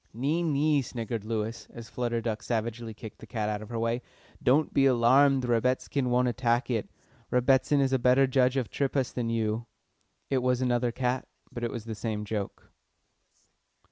"Nee, nee," sniggered Lewis, as Flutter Duck savagely kicked the cat out of her way. "Don't be alarmed, Rebbitzin won't attack it. Rebbitzin is a better judge of triphas than you." It was another cat, but it was the same joke.